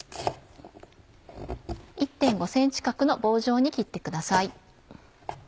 １．５ｃｍ角の棒状に切ってください。